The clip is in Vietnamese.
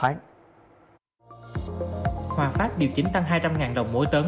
hoà pháp điều chỉnh tăng hai trăm linh đồng mỗi tấn